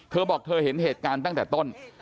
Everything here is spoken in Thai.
เธอบอกเธอเห็นเหตุการณ์ตั้งแต่ต้น